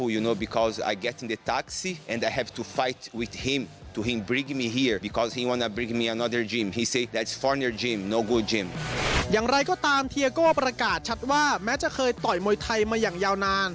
อย่างไรก็ตามเทียโก้ประกาศชัดว่าแม้จะเคยต่อยมวยไทยมาอย่างยาวนาน